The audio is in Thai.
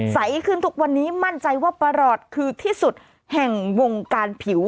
ใสขึ้นทุกวันนี้มั่นใจว่าประหลอดคือที่สุดแห่งวงการผิว